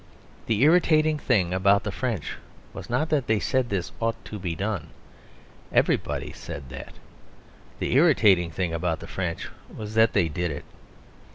The irritating thing about the French was not that they said this ought to be done; everybody said that. The irritating thing about the French was that they did it.